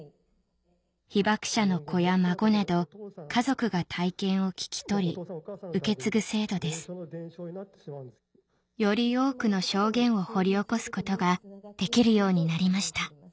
被爆者の子や孫など家族が体験を聞き取り受け継ぐ制度ですより多くの証言を掘り起こすことができるようになりました